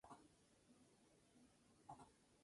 Su formación es la de un escritor cosmopolita y sofisticado.